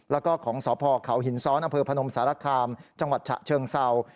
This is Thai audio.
แล้วก็ของสพเขาหินซ้อนอำเภอพนมสารคามจังหวัดฉะเชิงเศร้า